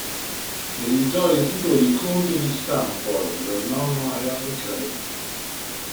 Ereditò il titolo di conte di Stamford dal nonno Henry Grey.